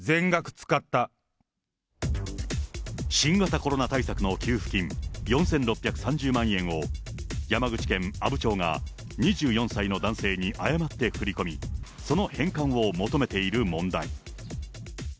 新型コロナ対策の給付金、４６３０万円を山口県阿武町が、２４歳の男性に誤って振り込み、その返還を求めている問題。